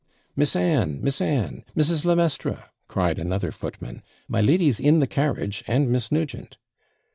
'Miss Anne! Miss Anne! Mrs. le Maistre!' cried another footman; 'my lady's in the carriage, and Miss Nugent.'